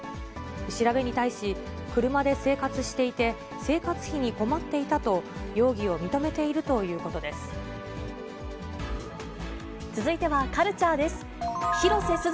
調べに対し、車で生活していて、生活費に困っていたと、容疑を認続いてはカルチャーです。